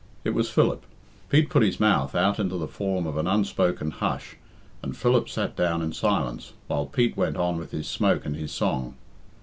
It was Philip. Pete put his mouth out into the form of an unspoken "Hush," and Philip sat down in silence, while Pete went on with his smoke and his song.